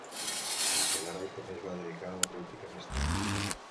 Echegaray també es va dedicar a la política més tard.